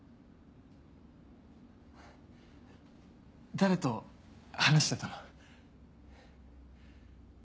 誰と話してたの？